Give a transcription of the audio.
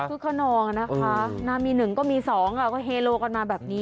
เพื่อนข้อน้องนะคะน่ามีหนึ่งก็มีสองก็เฮโลกันมาแบบนี้